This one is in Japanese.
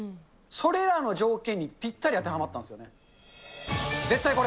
それらの条件にぴったり当てはまったんですよね。